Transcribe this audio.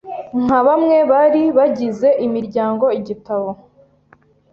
nka bamwe bari bagize imiryango igitabo